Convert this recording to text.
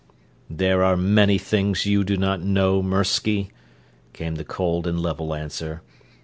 "There are many things you do not know, Mirsky," came the cold and level answer.